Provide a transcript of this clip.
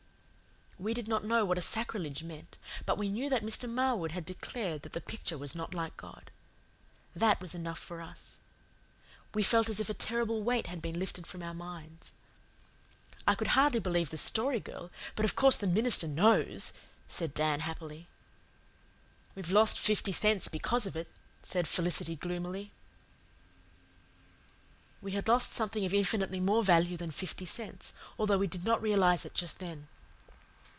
We did not know what a sacrilege meant, but we knew that Mr. Marwood had declared that the picture was not like God. That was enough for us. We felt as if a terrible weight had been lifted from our minds. "I could hardly believe the Story Girl, but of course the minister KNOWS," said Dan happily. "We've lost fifty cents because of it," said Felicity gloomily. We had lost something of infinitely more value than fifty cents, although we did not realize it just then.